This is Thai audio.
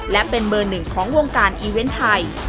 และเป็นมือหนึ่งของวงการอีเวนต์ไทย